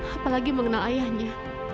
apalagi mengenal ayahnya